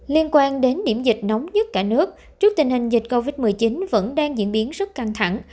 liên quan đến điểm dịch nóng nhất cả nước trước tình hình dịch covid một mươi chín vẫn đang diễn biến rất căng thẳng